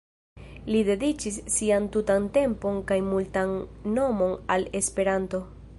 Li dediĉis sian tutan tempon kaj multan monon al Esperanto.